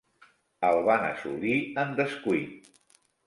El van assolir en descuit.